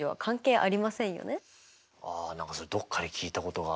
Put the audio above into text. あ何かそれどっかで聞いたことが。